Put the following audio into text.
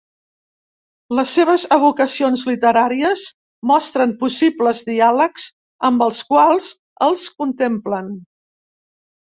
Les seves evocacions literàries mostren possibles diàlegs amb els quals els contemplen.